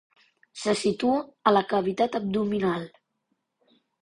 Se situa a la cavitat abdominal.